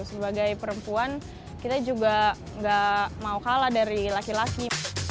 sebagai perempuan kita juga gak mau kalah dari laki laki